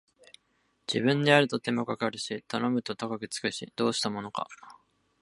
自分でやると手間かかるし頼むと高くつくし、どうしたものか